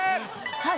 はい。